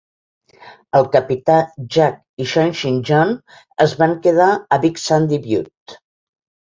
El Capità Jack i Schonchin John es van quedar a Big Sandy Butte.